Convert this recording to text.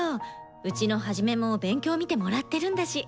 うちのハジメも勉強見てもらってるんだし。